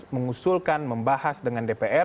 mengusulkan membahas dengan dpr